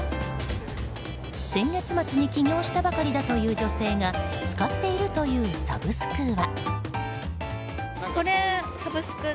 先月末に起業したばかりだという女性が使っているというサブスクは。